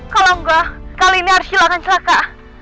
kalau enggak kali ini arsila akan celaka